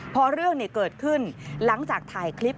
พอเรื่องเกิดขึ้นหลังจากถ่ายคลิป